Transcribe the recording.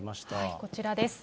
こちらです。